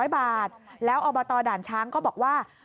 ๐บาทแล้วอบตด่านช้างก็บอกว่า